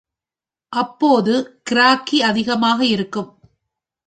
அப்போது கிராக்கி அதிகமாக இருக்கும்.